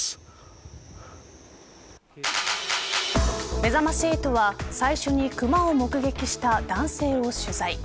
めざまし８は最初に熊を目撃した男性を取材。